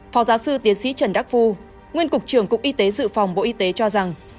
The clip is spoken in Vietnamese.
phó giáo sư tiến sĩ trần đắc phu nguyên cục trưởng cục y tế dự phòng bộ y tế cho rằng